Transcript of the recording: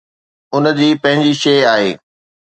ان جي پنهنجي شيء آهي.